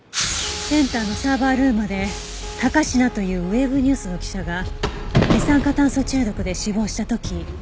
センターのサーバールームで高階というウェブニュースの記者が二酸化炭素中毒で死亡した時。